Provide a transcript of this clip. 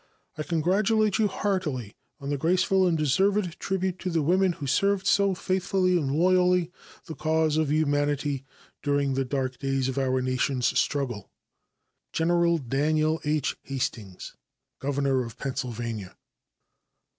I congratulate you heartily on the graceful and deserved tribute to the women who served so faithfully and loyally the cause of humanity during the dark days of our nation's struggle. Gen. Daniel H. Hastings, Governor of Pennsylvania.